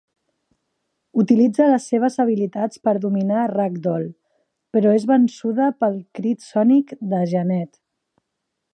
Utilitza les seves habilitats per dominar Ragdoll, però és vençuda pel crit sònic de Jeannette.